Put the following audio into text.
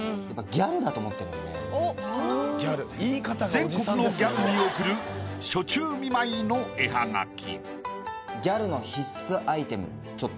全国のギャルに贈る暑中見舞いの絵はがき。